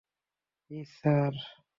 জ্বী, স্যার?